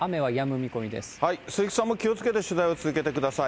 鈴木さんも気をつけて取材を続けてください。